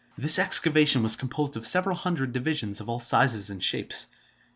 This excavation was composed of several hundred divisions of all sizes and shapes.